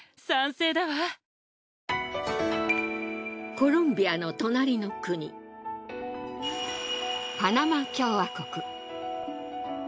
コロンビアの隣の国パナマ共和国。